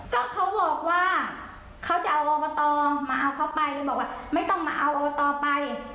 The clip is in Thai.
ก็เขาบอกว่าเขาจะเอาอบตมาเอาเขาไปบอกว่าไม่ต้องมาเอาอบตไป